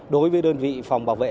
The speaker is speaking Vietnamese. đối với đơn vị phòng bảo vệ